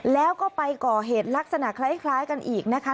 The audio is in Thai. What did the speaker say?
แล้วก็ไปก่อเหตุลักษณะคล้ายกันอีกนะคะ